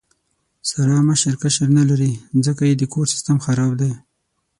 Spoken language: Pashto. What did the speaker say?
ساره مشر کشر نه لري، ځکه یې د کور سیستم خراب دی.